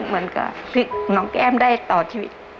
มันก็น้องแก้มได้ต่อชีวิต